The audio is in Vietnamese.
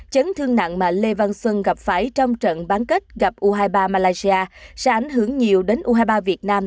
chấn thương nặng mà lê văn xuân gặp phải trong trận bán kết gặp u hai mươi ba malaysia sẽ ảnh hưởng nhiều đến u hai mươi ba việt nam